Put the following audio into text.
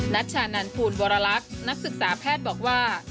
ัชชานันภูลวรรลักษณ์นักศึกษาแพทย์บอกว่า